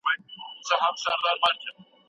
تا راوویست د تاریخ خړو کوڅو ته